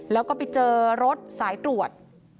แล้วก็ไปเจอรถสายตรวจ